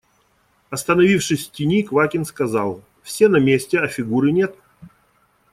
Остановившись в тени, Квакин сказал: – Все на месте, а Фигуры нет.